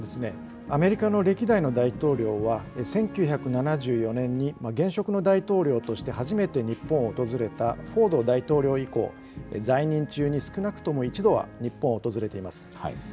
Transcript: アメリカの歴代の大統領は１９７４年に現職の大統領として初めて日本を訪れたフォード大統領以降、在任中に少なくとも１度は日本を訪れています。